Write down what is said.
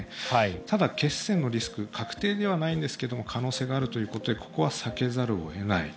ただ、血栓のリスク確定ではないんですが可能性があるということでここは避けざるを得ない。